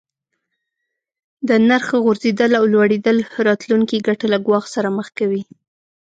د نرخ غورځیدل او لوړیدل راتلونکې ګټه له ګواښ سره مخ کوي.